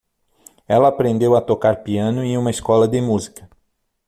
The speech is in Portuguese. Ela aprendeu a tocar piano em uma escola de música.